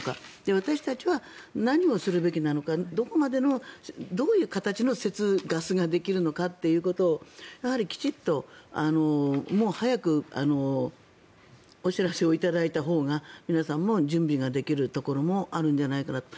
私たちは何をするべきなのかどういう形の節ガスができるのかということをやはり、きちんと早くお知らせをいただいたほうが皆さんも準備ができるところもあるんじゃないかと。